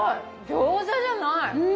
餃子じゃない。